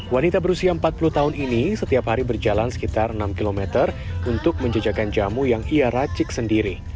wanita berusia empat puluh tahun ini setiap hari berjalan sekitar enam km untuk menjejakan jamu yang ia racik sendiri